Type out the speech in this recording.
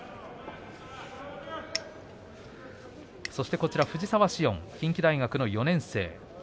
そして藤澤詩音近畿大学の４年生です。